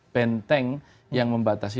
penteng yang membatasi